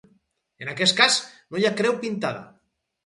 En aquest cas no hi ha creu pintada.